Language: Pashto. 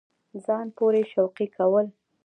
ځان پورې ټوقې كول